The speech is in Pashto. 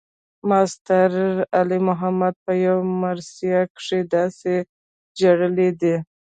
ماسټر علي محمد پۀ يو مرثيه کښې داسې ژړلے دے